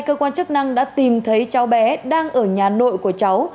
cơ quan chức năng đã tìm thấy cháu bé đang ở nhà nội của cháu